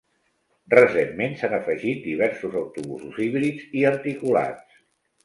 Recentment s'han afegit diversos autobusos híbrids i articulats.